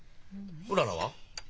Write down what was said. うららは？